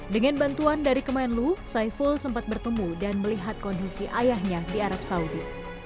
dengan bantuan dari kemenlu saiful sempat bertemu dan melihat kondisi ayahnya di arab saudi